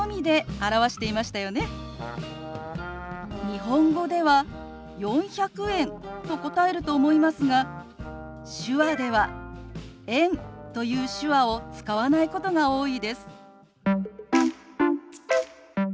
日本語では「４００円」と答えると思いますが手話では「円」という手話を使わないことが多いです。